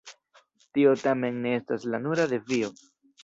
Tio tamen ne estas la nura defio.